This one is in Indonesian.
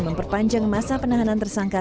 memperpanjang masa penahanan tersangka